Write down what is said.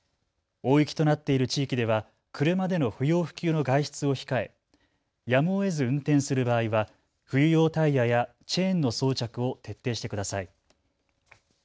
大雪となっている地域では車での不要不急の外出を控え、やむをえず運転する場合は冬用タイヤやチェーンの装着を徹底してください。